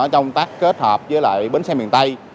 trong tác kết hợp với lại bến xe miền tây